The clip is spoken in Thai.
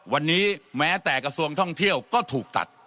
วันนี้แม้แต่กระทรวงท่องเที่ยวก็ถูกตัด